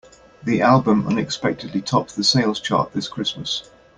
The album unexpectedly tops the sales chart this Christmas.